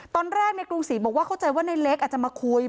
ตอนแรกในกรุงศรีบอกว่าเข้าใจว่าในเล็กอาจจะมาคุย